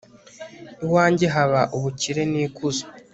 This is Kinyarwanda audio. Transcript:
iwanjye haba ubukire n'ikuzo